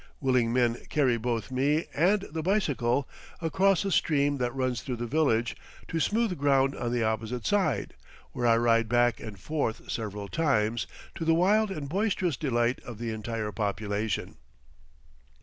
Willing men carry both me and the bicycle across a stream that runs through the village, to smooth ground on the opposite side, where I ride back and forth several times, to the wild and boisterous delight of the entire population.